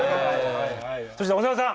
そして長田さん！